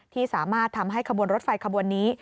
ที่สามารถทำให้ขบวนรถไฟขบวนนี้